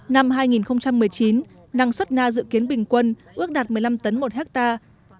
năm hai nghìn một mươi chín năng suất na dự kiến bình quân ước đạt một mươi năm tấn một hectare